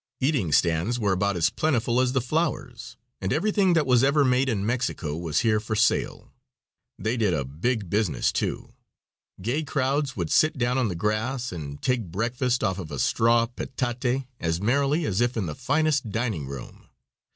Eating stands were about as plentiful as the flowers, and everything that was ever made in Mexico was here for sale. They did a big business, too. Gay crowds would sit down on the grass and take breakfast off of a straw petate as merrily as if in the finest dining room.